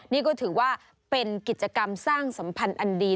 นี่ก็ถือว่าเป็นกิจกรรมสร้างสัมพันธ์อันดี